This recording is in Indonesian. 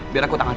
biar aku tangan